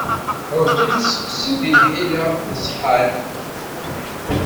Ṛebbi ittseqqi di lḥila iṣeḥḥan.